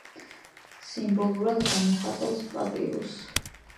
სიმბოლურად გამოხატავს პაპირუსს.